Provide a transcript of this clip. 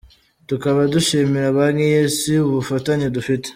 Tukaba dushimira Banki y’Isi ubufatanye dufite.”